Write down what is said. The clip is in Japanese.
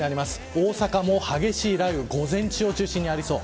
大阪も激しい雷雨が午前中を中心にありそう。